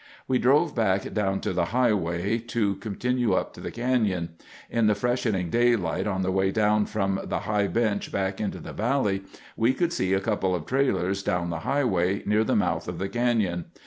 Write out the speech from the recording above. "We drove back down to the highway to continue up to the canyon. In the freshening daylight on the way down from the high bench back into the valley we could see a couple of trailers down the highway near the mouth of the canyon.